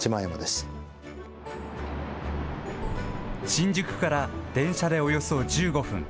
新宿から電車でおよそ１５分。